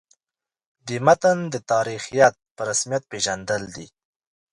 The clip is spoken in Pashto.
د متن د تاریخیت په رسمیت پېژندل دي.